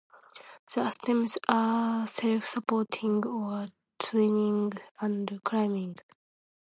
The stems are self-supporting or twining and climbing.